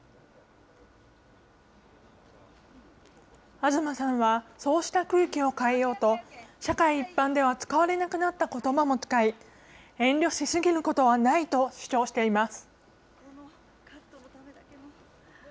東さんは、そうした空気を変えようと、社会一般では使われなくなったことばも使い、遠慮しすぎることはないと主張しています。